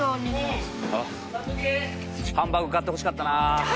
ハンバーグ買ってほしかったな。